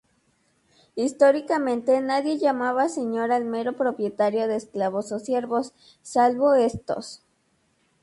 Históricamente, nadie llamaba señor al mero propietario de esclavos o siervos, salvo estos.